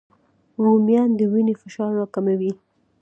رومیان د وینې فشار راکموي